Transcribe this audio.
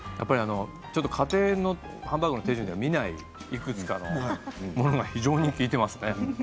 家庭のハンバーグの手順では見ない、いくつかのものが非常に利いていますね。